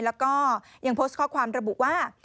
แล้วก็ยังโพสต์ข้อความระบุว่า